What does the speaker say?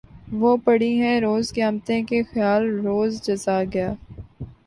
وہ پڑی ہیں روز قیامتیں کہ خیال روز جزا گیا